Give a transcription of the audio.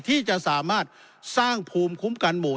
ที่จะสามารถสร้างภูมิคุ้มกันหมู่